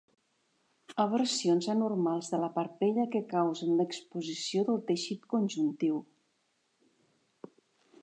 Eversions anormals de la parpella que causen l'exposició del teixit conjuntiu.